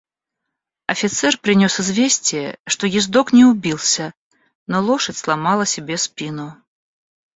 Офицер принес известие, что ездок не убился, но лошадь сломала себе спину.